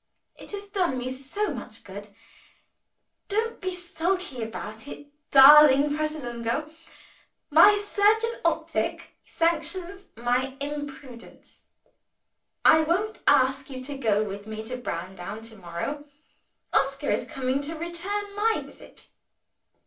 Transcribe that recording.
It has done me so much good. Don't be sulky about it, you darling Pratolungo! My 'surgeon optic' sanctions my imprudence. I won't ask you to go with me to Browndown to morrow; Oscar is coming to return my visit."